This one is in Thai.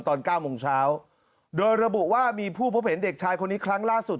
ตอนเก้าโมงเช้าโดยระบุว่ามีผู้พบเห็นเด็กชายคนนี้ครั้งล่าสุด